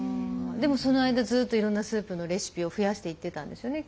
でもその間ずっといろんなスープのレシピを増やしていってたんですよね？